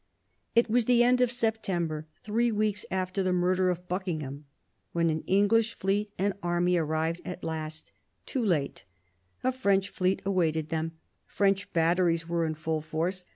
It was the end of September, three weeks after the murder of Buckingham, when an English fleet and army arrived at last, too late : a French fleet awaited them, French batteries were in full force.